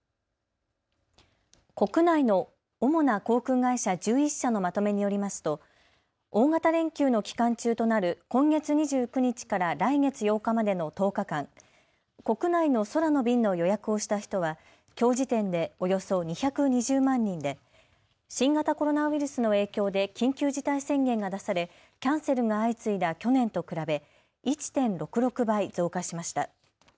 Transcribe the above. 国内の主な航空会社１１社のまとめによりますと大型連休の期間中となる今月２９日から来月８日までの１０日間、国内の空の便の予約をした人はきょう時点でおよそ２２０万人で新型コロナウイルスの影響で緊急事態宣言が出されキャンセルが相次いだ去年と比べ１．６６倍増加しました。